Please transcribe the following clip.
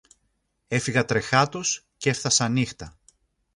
Έφυγα τρεχάτος κι έφθασα νύχτα